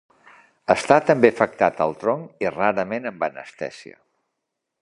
Està també afectat el tronc i rarament amb anestèsia.